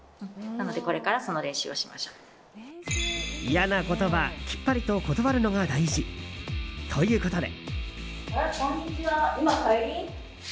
嫌なことはきっぱりと断るのが大事ということで。